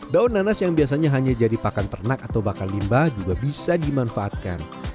daun nanas yang biasanya hanya jadi pakan ternak atau bahkan limbah juga bisa dimanfaatkan